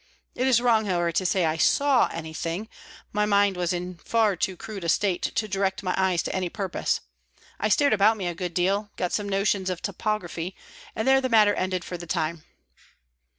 It is wrong, however, to say that I saw anything; my mind was in far too crude a state to direct my eyes to any purpose. I stared about me a good deal, and got some notions of topography, and there the matter ended for the time."